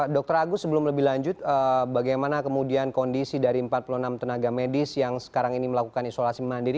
dr agus sebelum lebih lanjut bagaimana kemudian kondisi dari empat puluh enam tenaga medis yang sekarang ini melakukan isolasi mandiri